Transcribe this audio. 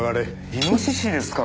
イノシシですか？